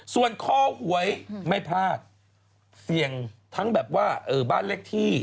ส่วนคอหวยไม่พลาดเสี่ยงทั้งแบบว่าบ้านเลขที่